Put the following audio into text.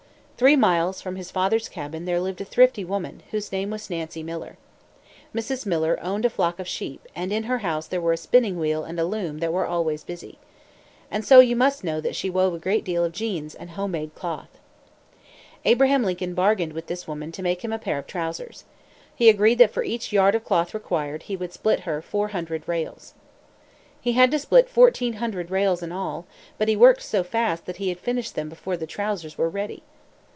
Three miles from his father's cabin there lived a thrifty woman, whose name was Nancy Miller. Mrs. Miller owned a flock of sheep, and in her house there were a spinning wheel and a loom that were always busy. And so you must know that she wove a great deal of jeans and home made cloth. Abraham Lincoln bargained with this woman to make him a pair of trousers. He agreed that for each yard of cloth required, he would split for her four hundred rails. He had to split fourteen hundred rails in all; but he worked so fast that he had finished them before the trousers were ready.